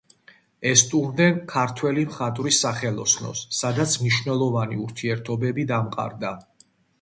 ესტუმრნენ ქართველი მხატვრის სახელოსნოს, სადაც მნიშვნელოვანი ურთიერთობები დამყარდა.